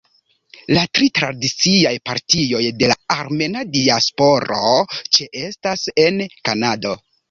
La tri tradiciaj partioj de la armena diasporo ĉeestas en Kanado.